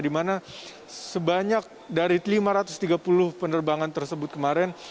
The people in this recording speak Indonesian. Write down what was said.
di mana sebanyak dari lima ratus tiga puluh penerbangan tersebut kemarin